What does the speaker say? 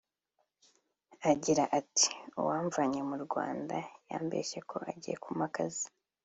agira ati “Uwamvanye mu Rwanda yambeshye ko agiye kumpa akazi